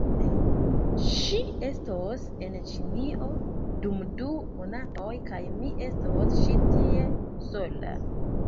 ... ŝi estos en Ĉinio, dum du monatoj, kaj mi estos ĉi tie, sola.